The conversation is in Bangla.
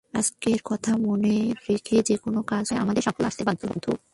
আজকের কথা মনে রেখে যেকোনো কাজ করলে আমাদের সাফল্য আসতে বাধ্য।